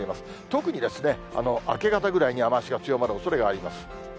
特にですね、明け方ぐらいに雨足が強まるおそれがあります。